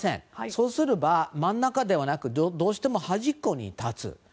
そうすれば真ん中ではなくどうしても端っこに立つ。